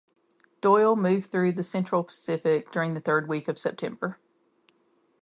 Doyle moved through the central Pacific during the third week of September.